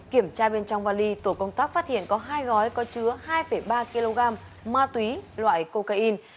kiểm tra bên trong vali tổ công tác phát hiện có hai gói có chứa hai ba kg ma túy loại cocaine